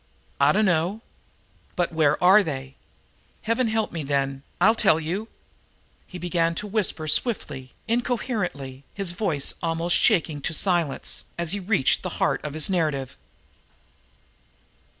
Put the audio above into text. "I dunno." "But where are they?" "Heaven help me, then! Ill tell you." He began to whisper swiftly, incoherently, his voice shaking almost to silence, as he reached the heart of his narrative.